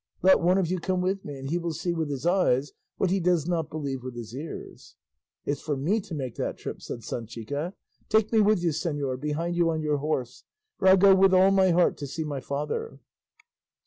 Let one of you come with me, and he will see with his eyes what he does not believe with his ears." "It's for me to make that trip," said Sanchica; "take me with you, señor, behind you on your horse; for I'll go with all my heart to see my father."